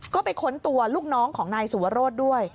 ก็ไปค้นตัวลูกน้องของนายสุวรสด้วย